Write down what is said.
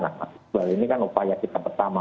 nah ini kan upaya kita bersama